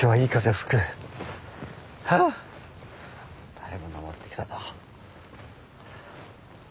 だいぶ登ってきたぞ。